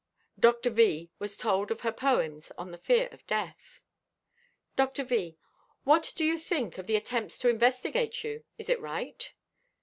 Dr. V. was told of her poems on the fear of death. Dr. V.—"What do you think of the attempts to investigate you? Is it right?"